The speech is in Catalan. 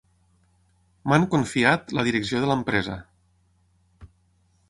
M'han confiat la direcció de l'empresa.